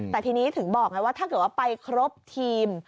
แต่ทีนี้ถึงบอกไงว่าถ้าเกิดว่าไปครบทีม